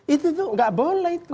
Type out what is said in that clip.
itu tuh nggak boleh